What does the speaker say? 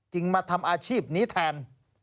มาทำอาชีพนี้แทน